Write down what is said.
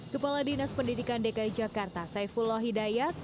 kepala dinas pendidikan dki jakarta saifullah hidayat